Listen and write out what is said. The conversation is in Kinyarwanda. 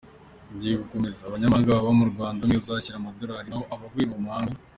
Abanyamahanga baba mu Rwanda umwe. azishyura amadolari, naho abavuye mu mahanga.